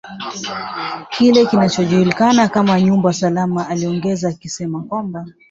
kile kinachojulikana kama nyumba salama aliongeza akisema kwamba